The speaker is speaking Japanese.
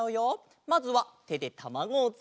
まずはてでたまごをつくって。